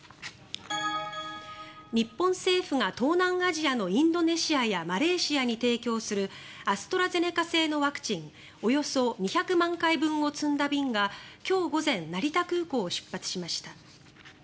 日本政府が東南アジアのインドネシアやマレーシアに提供するアストラゼネカ製のワクチンおよそ２００万回分を積んだ便が今日午前成田空港を出発しました。